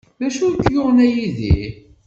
D acu i k-yuɣen a Yidir?